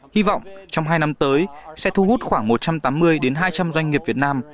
hy vọng trong hai năm tới sẽ thu hút khoảng một trăm tám mươi hai trăm linh doanh nghiệp việt nam